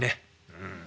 うん。